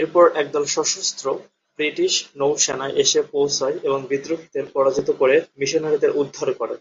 এরপর একদল সশস্ত্র ব্রিটিশ নৌসেনা এসে পৌঁছায় এবং বিদ্রোহীদের পরাজিত করে মিশনারিদের উদ্ধার করে।